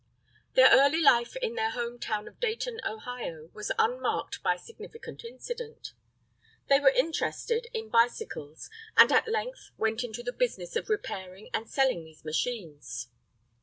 Their early life in their home town of Dayton, Ohio, was unmarked by significant incident. They were interested in bicycles, and at length went into the business of repairing and selling these machines.